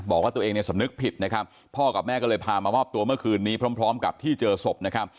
บอกว่าตัวเองเนี่ยสำนึกผิดนะครับพ่อกับแม่ก็เลยพามามอบตัวเมื่อคืนนี้พร้อมกับที่เจอศพนะครับ